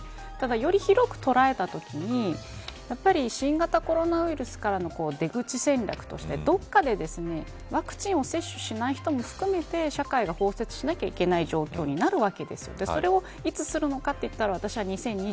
ただ、より広く捉えたときにやっぱり新型コロナウイルスからの出口戦力としてどこかでワクチンを接種しない人も含めて社会が包摂しないといけない状況になるわけです。